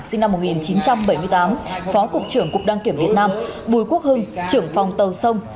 sinh năm một nghìn chín trăm bảy mươi tám phó cục trưởng cục đăng kiểm việt nam bùi quốc hưng trưởng phòng tàu sông